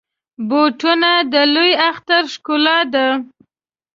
بوټونه د لوی اختر ښکلا ده.